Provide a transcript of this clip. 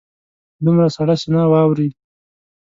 په دومره سړه سینه واوري.